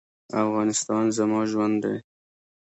افغانستان زما ژوند دی؟